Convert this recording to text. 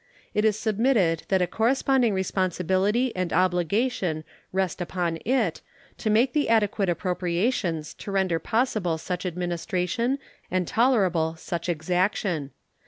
It is submitted that a corresponding responsibility and obligation rest upon it to make the adequate appropriations to render possible such administration and tolerable such exaction.